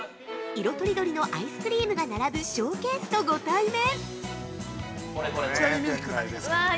色とりどりのアイスクリームが並ぶショーケースとご対面。